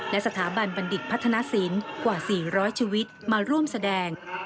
และสถาบันบัณฑิตพัฒนศิลป์กว่า๔๐๐ชีวิตมาร่วมแสดง